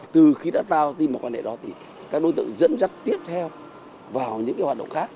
từ khi đã tạo tin một quan hệ đó thì các đối tượng dẫn dắt tiếp theo vào những hoạt động khác